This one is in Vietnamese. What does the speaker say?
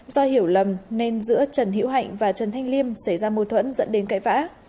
do hiểu lầm nên giữa trần hiễu hạnh và trần thanh liêm xảy ra mô thuẫn dẫn đến cãi vã